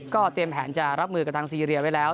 เตรียมแผนจะรับมือกับทางซีเรียไว้แล้ว